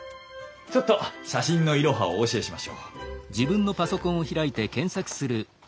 ちょっと写真のイロハをお教えしましょう。